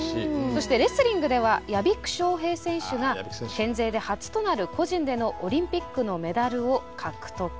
そしてレスリングでは屋比久翔平選手が県勢で初となる個人でのオリンピックのメダルを獲得。